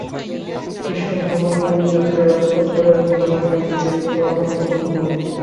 খ্রীষ্টধর্মাবলম্বী জাতিরা রক্তপাত করিয়া ভূমি দখল করিতেছে, এই খবর আমরা প্রত্যহই পড়ি।